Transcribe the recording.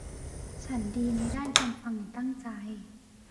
ฉันดีในด้านการฟังอย่างตั้งใจ